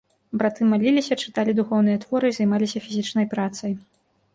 Браты маліліся, чыталі духоўныя творы і займаліся фізічнай працай.